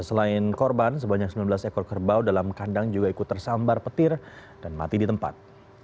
selain korban sebanyak sembilan belas ekor kerbau dalam kandang juga ikut tersambar petir dan mati di tempat